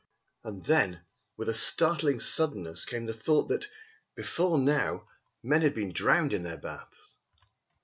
And then with a startling suddenness came the thought that, before now, men had been drowned in their baths!